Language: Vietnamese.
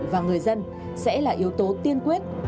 và người dân sẽ là yếu tố tiên quyết